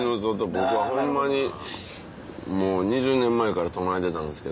僕はホンマにもう２０年前から唱えてたんですけど。